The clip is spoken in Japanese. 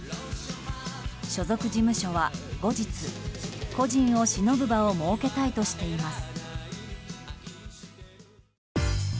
所属事務所は、後日故人をしのぶ場を設けたいとしています。